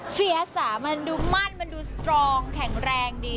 รีอาสามันดูมั่นมันดูสตรองแข็งแรงดี